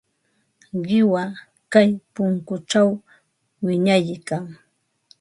Qiwa kay punkućhaw wiñaykan.